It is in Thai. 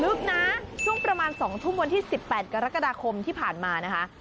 ลึกนะช่วงประมาณ๒ทุ่มวันที่๑๘กรกฎาคมที่ผ่านมานะคะ